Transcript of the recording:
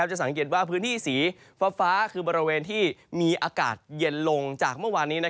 จะสังเกตว่าพื้นที่สีฟ้าคือบริเวณที่มีอากาศเย็นลงจากเมื่อวานนี้